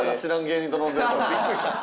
びっくりした。